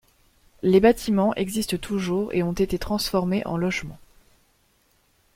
Les bâtiments existent toujours et ont été transformés en logements.